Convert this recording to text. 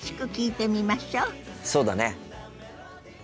そうだね。